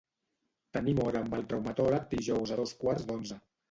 Tenim hora amb el traumatòleg dijous a dos quarts d'onze.